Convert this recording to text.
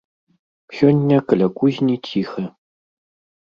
Сёння каля кузні ціха.